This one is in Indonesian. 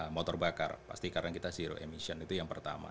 mau terbakar pasti karena kita zero emission itu yang pertama